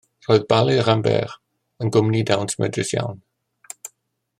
Roedd Ballet Rambert yn gwmni dawns mentrus iawn.